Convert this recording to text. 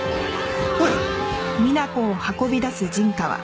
おい！